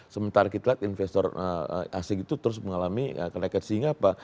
sementara kita lihat investor asing itu terus mengalami kenaikan sehingga apa